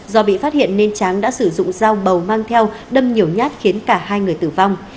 do bị phát hiện nên tráng đã sử dụng dao bầu mang theo đâm nhiều nhát khiến cả hai người tử vong